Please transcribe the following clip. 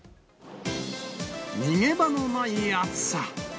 逃げ場のない暑さ。